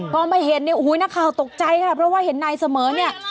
พอมาเห็นเนี่ยโอ้โหนักข่าวตกใจค่ะเพราะว่าเห็นนายเสมอเนี่ย